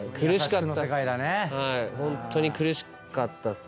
ホントに苦しかったっすね。